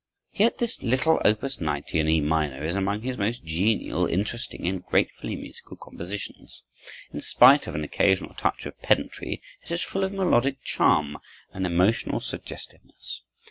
Yet this little Op. 90, in E minor, is among his most genial, interesting, and gratefully musical compositions. In spite of an occasional touch of pedantry, it is full of melodic charm and emotional suggestiveness.